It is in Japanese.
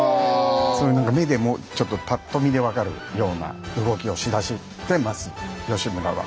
そういう何か目でもちょっとパッと見で分かるような動きをしだしてます義村は。